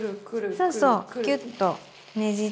そうそうキュッとねじって。